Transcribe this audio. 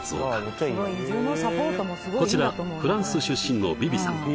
こちらフランス出身のビビさん